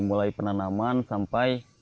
mulai penanaman sampai